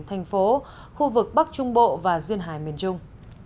thành phố khu vực bắc trung bộ và duyên hải miền trung